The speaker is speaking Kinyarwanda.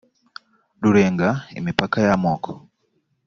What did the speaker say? rurenga imipaka y amoko